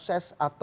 apakah menurut anda